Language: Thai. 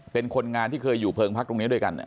เป็นคนงานที่เคยอยู่เพลิงพักตรงนี้ด้วยกัน